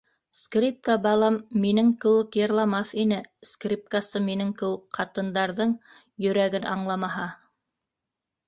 - Скрипка, балам, минең кеүек йырламаҫ ине, скрипкасы минең кеүек ҡатындарҙың йөрәген аңламаһа...